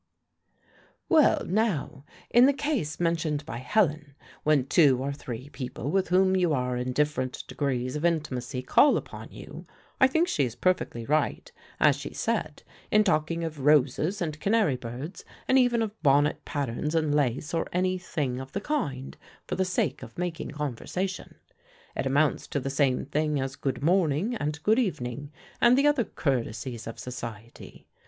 "Well, now, in the case mentioned by Helen, when two or three people with whom you are in different degrees of intimacy call upon you, I think she is perfectly right, as she said, in talking of roses, and Canary birds, and even of bonnet patterns, and lace, or any thing of the kind, for the sake of making conversation. It amounts to the same thing as 'good morning,' and 'good evening,' and the other courtesies of society.